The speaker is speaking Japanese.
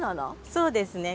そうですね。